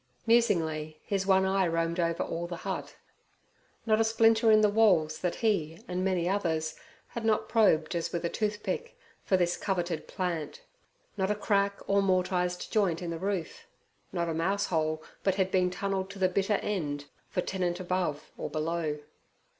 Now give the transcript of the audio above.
Musingly his one eye roamed all over the hut. Not a splinter in the walls that he, and many others, had not probed as with a tooth pick, for this coveted 'plant'; not a crack or mortised joint in the roof; not a mouse hole but had been tunnelled to the bitter end, for tenant above or below.